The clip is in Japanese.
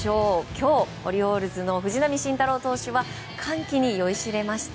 今日、オリオールズの藤浪晋太郎投手は歓喜に酔いしれました。